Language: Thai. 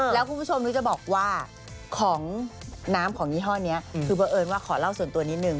แล้วคุณผู้ชมนุ้ยจะบอกว่าของน้ำของยี่ห้อนี้คือเพราะเอิญว่าขอเล่าส่วนตัวนิดนึง